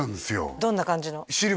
どんな感じの？